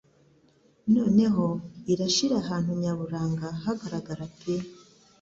Noneho irashira ahantu nyaburanga hagaragara pe